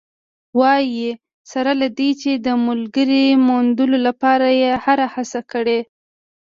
وايي، سره له دې چې د ملګرې موندلو لپاره یې هره هڅه کړې